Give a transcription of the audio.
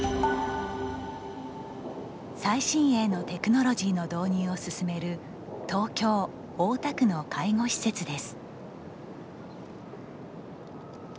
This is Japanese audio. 最新鋭のテクノロジーの導入を進める東京・大田区の介護施設です。